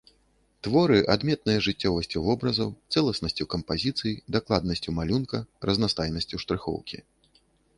Творы адметныя жыццёвасцю вобразаў, цэласнасцю кампазіцыі, дакладнасцю малюнка, разнастайнасцю штрыхоўкі.